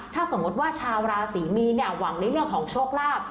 ถ้าสมมติว่าชาวราศรีมีนเนี่ยหวังในเรื่องของโชคลาภ